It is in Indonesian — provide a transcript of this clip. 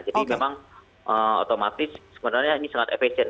jadi memang otomatis sebenarnya ini sangat efesien